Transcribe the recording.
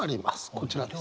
こちらです。